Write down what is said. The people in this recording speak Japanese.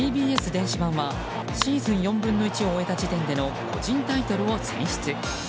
電子版は、シーズン４分の１を終えた時点での個人タイトルを選出。